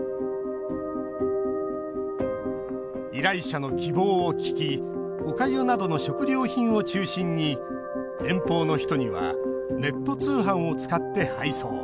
依頼者の希望を聞きおかゆなどの食料品を中心に遠方の人にはネット通販を使って配送。